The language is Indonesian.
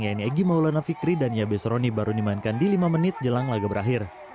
yanni egy maulana fikri dan yabes roni baru dimainkan di lima menit jelang laga berakhir